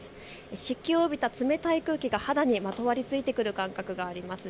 湿気を帯びた冷たい空気が肌にまつわるついてくる感覚があります。